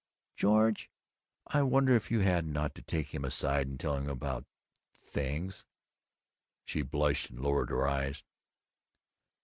"George: I wonder if you oughtn't to take him aside and tell him about Things!" She blushed and lowered her eyes.